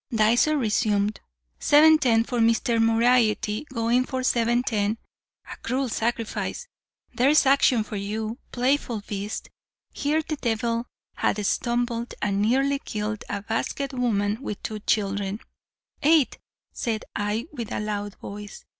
"Dycer resumed, 'Seven ten, for Mr. Moriarty. Going for seven ten a cruel sacrifice there's action for you playful beast.' Here the devil had stumbled and nearly killed a basket woman with two children. "'Eight,' said I, with a loud voice.